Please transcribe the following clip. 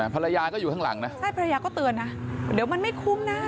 ภรรยาก็อยู่ข้างหลังนะใช่ภรรยาก็เตือนนะเดี๋ยวมันไม่คุ้มนะ